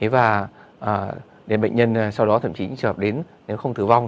và để bệnh nhân sau đó thậm chí những trường hợp đến không tử vong